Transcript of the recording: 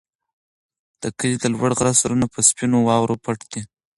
د کلي د لوړ غره سرونه په سپینو واورو پټ دي.